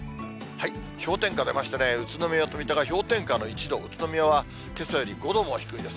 氷点下出ましたね、宇都宮と水戸が氷点下の１度、宇都宮はけさより５度も低いです。